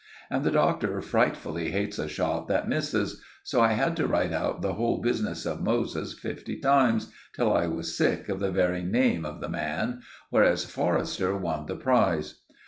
And the Doctor frightfully hates a shot that misses, so I had to write out the whole business of Moses fifty times, till I was sick of the very name of the man; whereas Forrester won the prize.